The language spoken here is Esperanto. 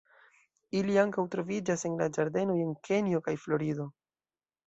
Ili ankaŭ troviĝas en la ĝardenoj en Kenjo kaj Florido.